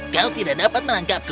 kau tidak dapat menangkapku